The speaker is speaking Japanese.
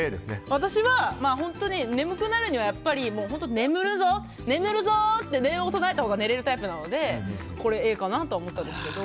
私は、眠くなる時にはやっぱり、眠るぞ！って念を唱えたほうが眠れるタイプなのでＡかなと思ったんですけど。